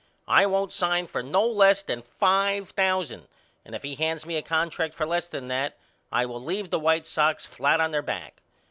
I won't sign for no less than five thousand and if he hands me a contract for less than that I will leave the White Sox flat on their back.